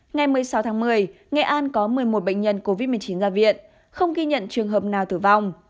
ngày một mươi sáu tháng một mươi nghệ an có một mươi một bệnh nhân covid một mươi chín ra viện không ghi nhận trường hợp nào tử vong